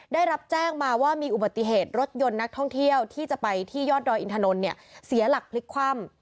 ได้รับแจ้งมาว่ามีอุบัติเหตุรถยนต์นักท่องเที่ยวที่จะไปที่ยอดดอยอินถนนเนี่ยเสียหลักพลิกคว่ำ